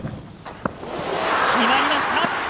決まりました！